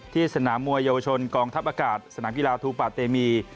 สนามมวยเยาวชนกองทัพอากาศสนามกีฬาทูปาเตมี